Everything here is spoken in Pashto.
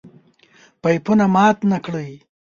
پيپونه مات نکړئ!